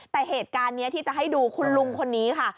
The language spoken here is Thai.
แต่เหตุการณ์นี้ที่จะให้ดูคุณลุงคนนี้ค่ะ